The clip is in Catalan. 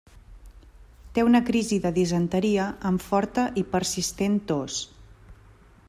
Té una crisi de disenteria amb forta i persistent tos.